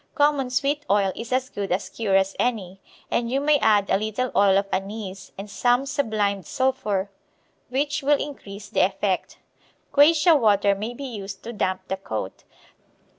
Common sweet oil is as good a cure as any, and you may add a little oil of anise and some sublimed sulphur, which will increase the effect. Quassia water may be used to damp the coat.